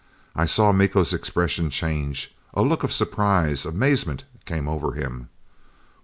I saw Miko's expression change.... A look of surprise, amazement, came over him.